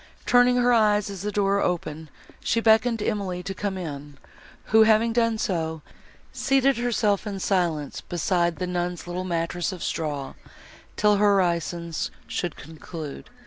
Turning her eyes, as the door opened, she beckoned to Emily to come in, who, having done so, seated herself in silence beside the nun's little mattress of straw, till her orisons should conclude.